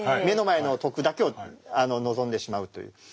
目の前の得だけを望んでしまうという。